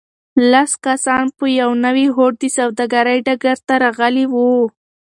لس کسان په یوه نوي هوډ د سوداګرۍ ډګر ته راغلي وو.